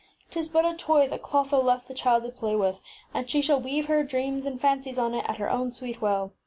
ŌĆÖTis but a toy that Clotho left the child to play with, and she shall weave her dreams and fancies on it at her own sweet will.